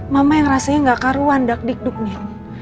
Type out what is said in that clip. mama yang rasanya gak karuan dakdikduknya